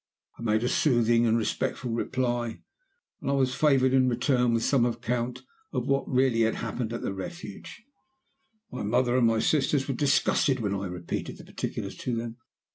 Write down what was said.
I made a soothing and respectful reply, and I was favored in return with some account of what had really happened at the Refuge. My mother and my sisters were disgusted when I repeated the particulars to them.